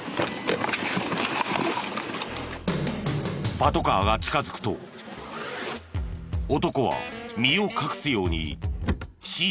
パトカーが近づくと男は身を隠すようにシートを倒した。